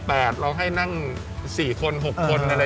มาโต๊ะ๘เราให้นั่ง๔คน๖คน